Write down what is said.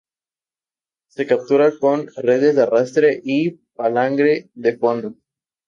Se captura con redes de arrastre y palangre de fondo.